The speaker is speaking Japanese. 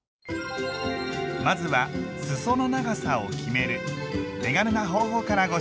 まずはすその長さを決める手軽な方法からご紹介します。